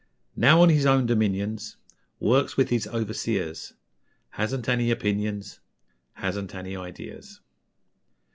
Now on his own dominions Works with his overseers; Hasn't any opinions, Hasn't any 'idears'.